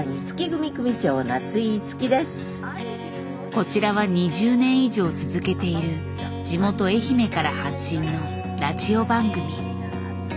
こちらは２０年以上続けている地元愛媛から発信のラジオ番組。